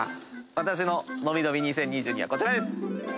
私ののびのび２０２２はこちらです！